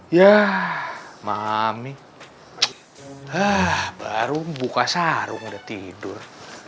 ya mami baru buka sarung udah tidur